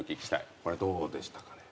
これどうでしたかね？